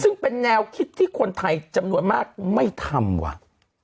ซึ่งเป็นแนวคิดที่คนไทยจำนวนมากไม่ทำว่ะ